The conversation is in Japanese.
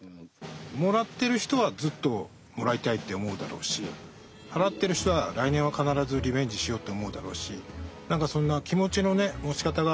もらってる人はずっともらいたいって思うだろうし払ってる人は来年は必ずリベンジしようって思うだろうし。